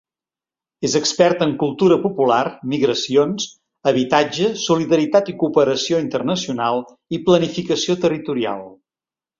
És expert en Cultura Popular, Migracions, Habitatge, Solidaritat i Cooperació Internacional i Planificació Territorial.